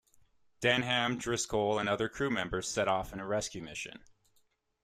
Denham, Driscoll, and other crew members set off in a rescue mission.